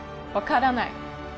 分からない